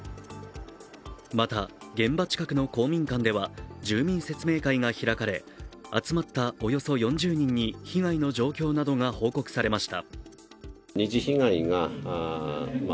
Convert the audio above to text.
また、現場近くの公民館では住民説明会が開かれ集まったおよそ４０人に被害の状況などが報告されました。